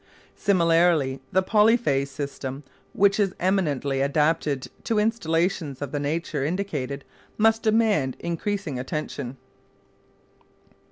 Similarly the "polyphase" system which is eminently adapted to installations of the nature indicated must demand increasing attention.